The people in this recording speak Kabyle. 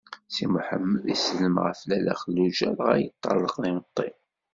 Si Mḥemmed isellem ɣef Lalla Xelluǧa dɣa yeṭṭerḍeq d imeṭṭi.